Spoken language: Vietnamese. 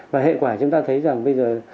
và hệ quả chúng ta thấy rằng bây giờ